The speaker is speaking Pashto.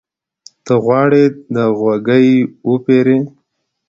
ته غواړې د غوږيکې وپېرې؟